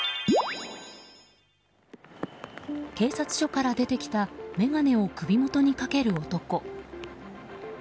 警察署から出てきた眼鏡を首元にかける男。